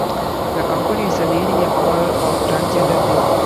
The company is a leading employer of transgender people.